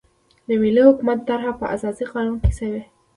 د ملي حاکمیت طرحه په اساسي قانون کې شوې.